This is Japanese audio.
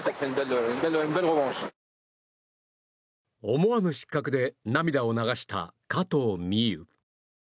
思わぬ失格で涙を流した加藤未唯。